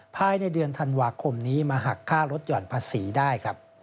ภายในเดือนธันวาคมนี้มาหักค่าลดหย่อนภาษีได้ครับ